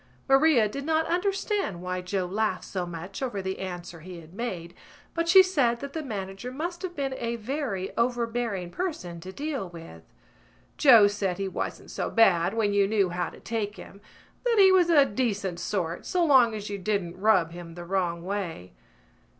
Maria did not understand why Joe laughed so much over the answer he had made but she said that the manager must have been a very overbearing person to deal with. Joe said he wasn't so bad when you knew how to take him, that he was a decent sort so long as you didn't rub him the wrong way.